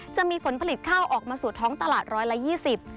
จะมีผลผลิตข้าวออกมาสู่ท้องตลาด๑๒๐บเมตร